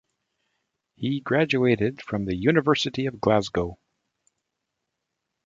He graduated from the University of Glasgow.